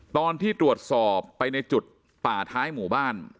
ตอนที่ตรวจสอบไปในจุดป่าท้ายหมู่บ้าน